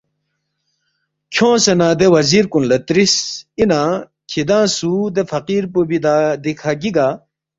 کھیونگسے نہ دے وزیر کُن لہ ترِس، ”اِنا کِھدانگ سُو دے فقیر پو بی دیکھہ گِگا ؟“